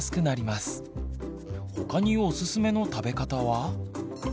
他におすすめの食べ方は。